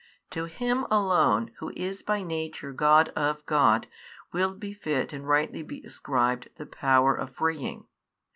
To Him Alone Who is by Nature God of God will befit and rightly be ascribed the power of freeing.